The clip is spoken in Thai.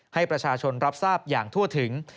ให้ประชาชนรับทราบอย่างทั่วถึง